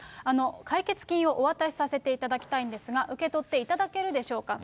解決金をお渡しさせていただきたいんですが、受け取っていただけるでしょうかと。